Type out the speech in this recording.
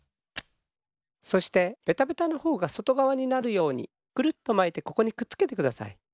そしてベタベタのほうがそとがわになるようにくるっとまいてここにくっつけてください。